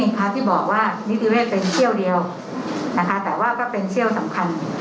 พระที่บอกว่านิติเวศเป็นเที่ยวเดียวนะคะแต่ว่าก็เป็นเที่ยวสำคัญ